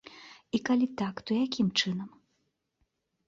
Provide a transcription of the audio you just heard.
І калі так, то якім чынам?